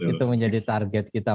itu menjadi target kita